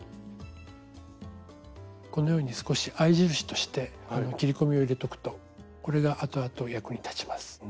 このように少し合い印として切り込みを入れとくとこれが後々役に立ちます。